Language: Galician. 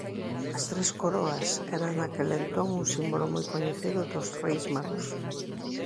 As tres coroas eran naquel entón un símbolo moi coñecido dos Reis Magos.